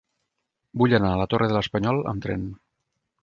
Vull anar a la Torre de l'Espanyol amb tren.